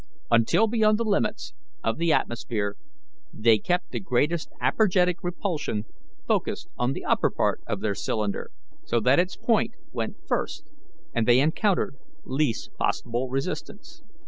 Until beyond the limits of the atmosphere they kept the greatest apergetic repulsion focused on the upper part of their cylinder, so that its point went first, and they encountered least possible resistance.